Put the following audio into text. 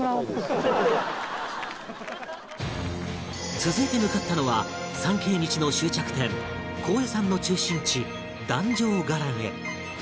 続いて向かったのは参詣道の終着点高野山の中心地壇上伽藍へ